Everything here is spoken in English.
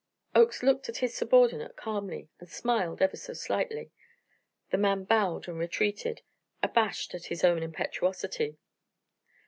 Oakes looked at his subordinate calmly and smiled ever so slightly. The man bowed and retreated, abashed at his own impetuosity.